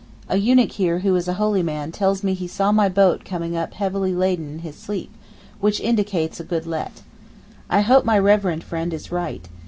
A eunuch here who is a holy man tells me he saw my boat coming up heavily laden in his sleep, which indicates a 'good let.' I hope my reverend friend is right.